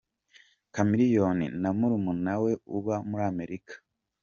Chameleone na murumuna we uba muri Amerika.